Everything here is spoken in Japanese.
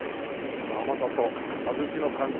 この甘さと小豆の感じ。